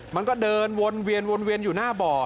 มันก็เดินวนเวียนอยู่หน้าบ่อ